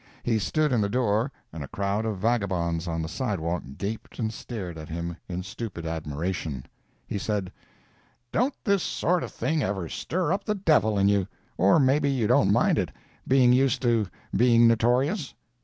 He stood in the door, and a crowd of vagabonds on the sidewalk gaped and stared at him in stupid admiration. He said: "Don't this sort of thing ever stir up the devil in you—or maybe you don't mind it, being used to being notorious?"